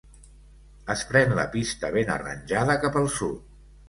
Es pren la pista ben arranjada cap al sud.